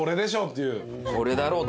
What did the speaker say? これだろうと。